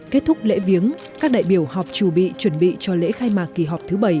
kết thúc lễ viếng các đại biểu họp trù bị chuẩn bị cho lễ khai mạc kỳ họp thứ bảy